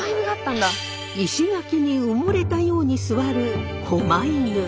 石垣に埋もれたように座る狛犬。